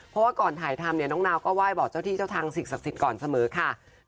เพราะว่าก่อนถ่ายทำเนี่ยน้องนาวก็ไหว้บอกเจ้าที่เจ้าทางสิ่งศักดิ์สิทธิ์ก่อนเสมอค่ะ